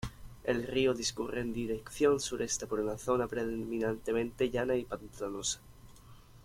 El río discurre en dirección Sureste por una zona predominantemente llana y pantanosa.